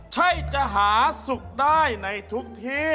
ช่วงให้สุขได้ในทุกที่